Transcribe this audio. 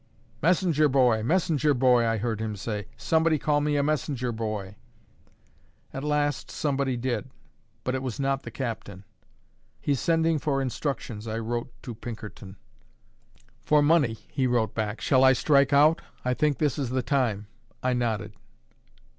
"Messenger boy, messenger boy!" I heard him say. "Somebody call me a messenger boy." At last somebody did, but it was not the captain. "He's sending for instructions," I wrote to Pinkerton. "For money," he wrote back. "Shall I strike out? I think this is the time." I nodded.